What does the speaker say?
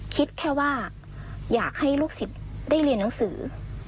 คิดแค่ว่าอยากให้ลูกศิษย์ได้เรียนหนังสือ